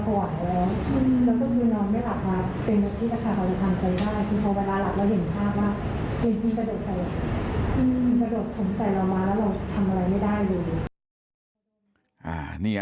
อืมประโยชน์ถมใจเรามาแล้วเราทำอะไรไม่ได้อยู่